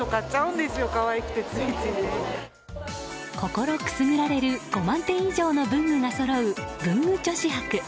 心くすぐられる５万点以上の文具がそろう文具女子博。